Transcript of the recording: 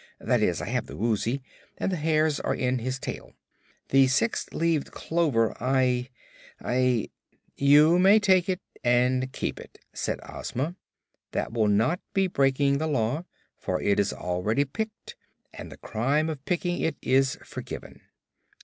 "That is, I have the Woozy, and the hairs are in his tail. The six leaved clover I I " "You may take it and keep it," said Ozma. "That will not be breaking the Law, for it is already picked, and the crime of picking it is forgiven."